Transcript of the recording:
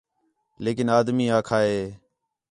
لیکن آدمی آکھا ہِے